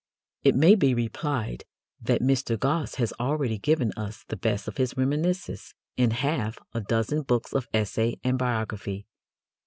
It may be replied that Mr. Gosse has already given us the best of his reminiscences in half a dozen books of essay and biography.